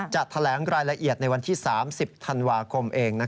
จะแถลงรายละเอียดในวันที่๓๐ธันวาคมเอง